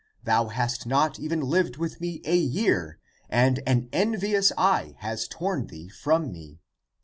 Thou hast not even lived with me a year, and an envious eye has torn thee from me.